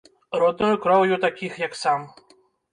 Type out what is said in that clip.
Роднаю кроўю такіх, як сам.